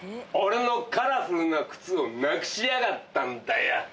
俺のカラフルな靴をなくしやがったんだよ。